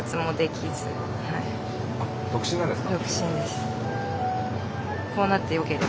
独身なんですか？